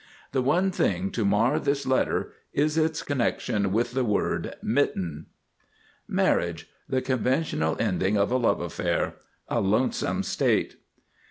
The one thing to mar this letter is its connection with the word Mitten. MARRIAGE. The conventional ending of a love affair. A lonesome state.